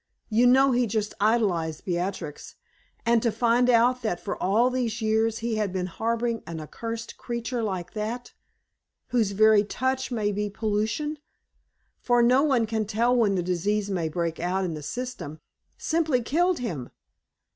You know he just idolized Beatrix; and to find out that for all these years he had been harboring an accursed creature like that, whose very touch may be pollution for no one can tell when the disease may break out in the system simply killed him.